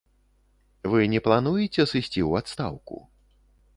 Вы не плануеце сысці ў адстаўку?